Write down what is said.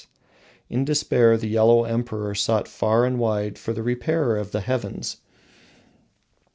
In despair the Yellow Emperor sought far and wide for the repairer of the Heavens.